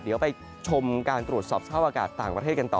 เดี๋ยวไปชมการตรวจสอบสภาพอากาศต่างประเทศกันต่อ